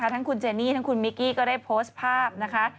ทั้งคุณเจนี่ทั้งคุณมิกกี้ก็ได้โพสต์ภาพนะคะ